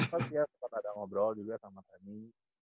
terus ya sempet ada ngobrol juga sama temi